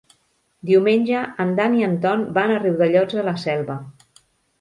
Diumenge en Dan i en Ton van a Riudellots de la Selva.